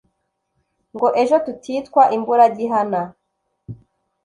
ngo ejo tutitwa imburagihana